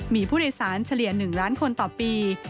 มีผู้โดยสารเฉลี่ย๑ล้านคนต่อปี